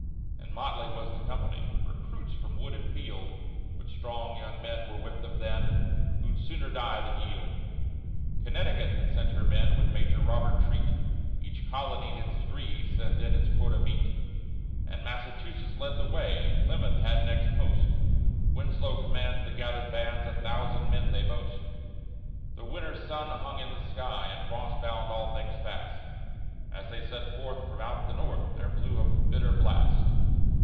And motley was the company, Recruits from wood and field, But strong young men were with them then, Who'd sooner die than yield. Connecticut had sent her men With Major Robert Treat; Each colony in its degree Sent in its quota meet. And Massachusetts led the way, And Plymouth had next post, Winslow commands the gathered bands, A thousand men they boast. The winter sun hung in the sky And frost bound all things fast; As they set forth, from out the north, There blew a bitter blast.